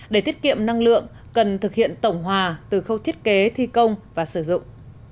để tiết kiệm năng lượng cần thực hiện tổng hòa từ khâu thiết kế thi công và sử dụng